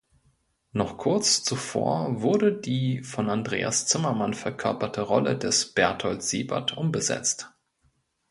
Noch kurz zuvor wurde die von Andreas Zimmermann verkörperte Rolle des "Berthold Siebert" umbesetzt.